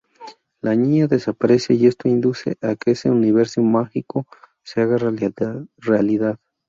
La niña desaparece y esto induce a que ese universo mágico se haga realidad.